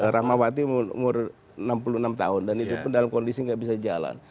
rahmawati umur enam puluh enam tahun dan itu pun dalam kondisi tidak bisa jalan